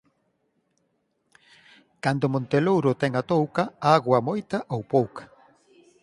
Cando monte Louro ten a touca, auga moita ou pouca